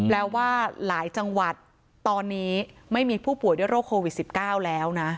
แล้วว่าหลายจังหวัดตอนนี้ไม่มีผู้ป่วยด้วยโรคโควิด๑๙แล้วนะ